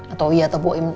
atau wia atau bu im